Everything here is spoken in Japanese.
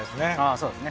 そうですね。